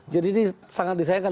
jadi ini sangat disayangkan